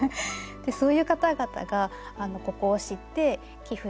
そういう方々がここを知って寄付して頂いて集まったものです。